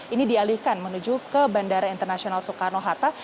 ini dialihkan menuju ke bandara internasional soekarno hatta